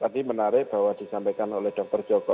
tadi menarik bahwa disampaikan oleh dokter joko